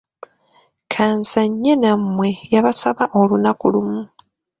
Kanzanye namwe, yabasaba olunaku lumu.